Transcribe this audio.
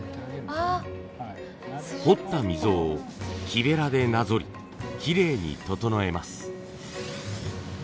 彫った溝を木ベラでなぞりきれいに整えます。